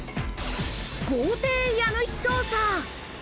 豪邸家主捜査。